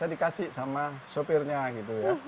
dikasih sama sopirnya gitu ya